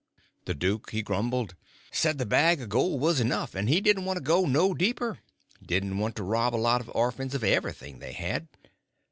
The duke he grumbled; said the bag of gold was enough, and he didn't want to go no deeper—didn't want to rob a lot of orphans of everything they had.